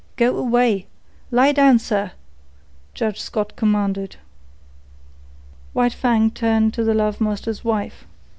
"Go away! Lie down, sir!" Judge Scott commanded. White Fang turned to the love master's wife.